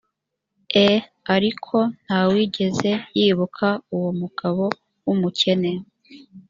e ariko nta wigeze yibuka uwo mugabo w umukene